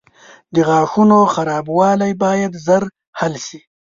• د غاښونو خرابوالی باید ژر حل شي.